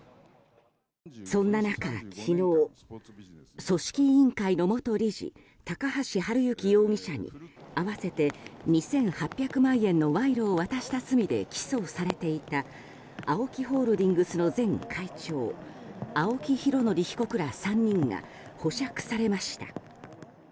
そんな中、昨日組織委員会の元理事高橋治之容疑者に合わせて２８００万円の賄賂を渡した罪で起訴をされていたＡＯＫＩホールディングスの前会長青木拡憲被告ら３人が保釈されました。